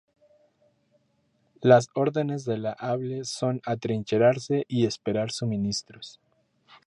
Las órdenes de la Able son atrincherarse y esperar suministros.